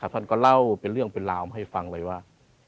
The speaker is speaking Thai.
ท่านก็เล่าเป็นเรื่องเป็นราวให้ฟังเลยว่า